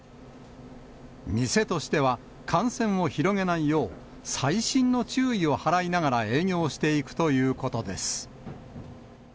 店としては感染を広げないよう、細心の注意を払いながら営業していくということです。